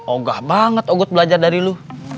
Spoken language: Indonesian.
onggah banget onggut belajar dari lu